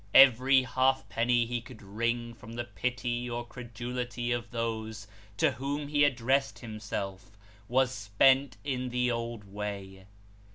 Every halfpenny he could wring from the pity or credulity of those to whom he addressed him self, was spent in the old way.